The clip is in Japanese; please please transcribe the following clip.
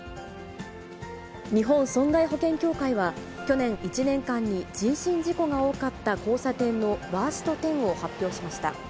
日本損害保険協会は、去年１年間に人身事故が多かった交差点のワースト１０を発表しました。